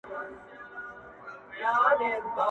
o خوشحال په دې يم چي ذهين نه سمه.